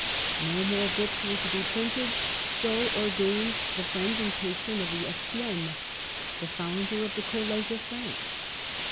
No more books were to be printed ; so ordained the friend and patron of the Estiennes, the Founder of the College of France.